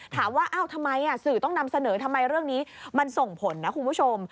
ถามว่าทำไมสื่อต้องนำเสนอทำไมเรื่องนี้มันส่งผลนะคุณผู้ชม